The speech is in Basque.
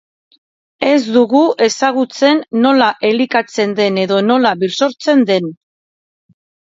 Ez dugu ezagutzen nola elikatzen den edo nola birsortzen den.